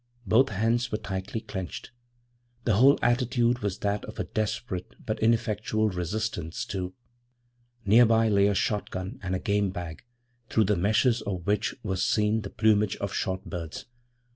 Both hands were tightly clenched. The whole attitude was that of desperate but ineffectual resistance to what? Near by lay a shotgun and a game bag through the meshes of which was seen the plumage of shot birds.